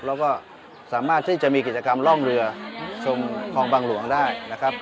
แล้วก็สามารถที่จะมีกิจกรรมร่องเรือชมคลองบางหลวงได้นะครับ